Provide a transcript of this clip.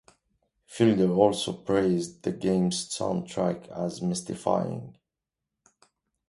Fielder also praised the game's soundtrack as "mystifying".